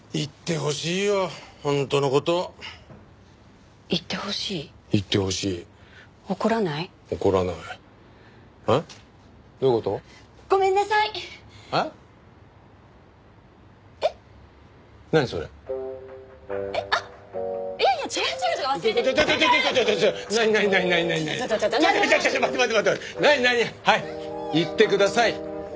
はい言ってください。